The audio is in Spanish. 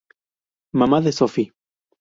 Mamá de Sofi.